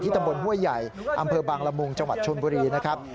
ตำบลห้วยใหญ่อำเภอบางละมุงจังหวัดชนบุรีนะครับ